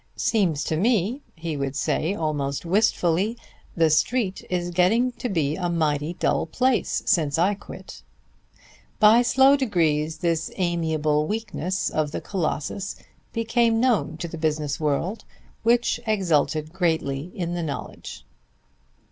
"Seems to me," he would say almost wistfully, "the Street is getting to be a mighty dull place since I quit." By slow degrees this amiable weakness of the Colossus became known to the business world, which exulted greatly in the knowledge.